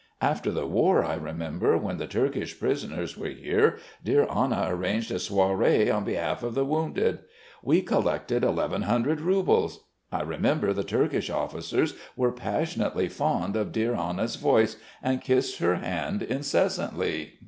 After the war, I remember, when the Turkish prisoners were here, dear Anna arranged a soiree on behalf of the wounded. We collected eleven hundred roubles. I remember the Turkish officers were passionately fond of dear Anna's voice, and kissed her hand incessantly.